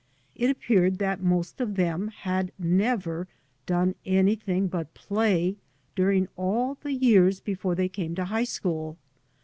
It appeared that most of them had never done anything but play during all the years before they came to high school.